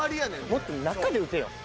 もっと中で打てよ。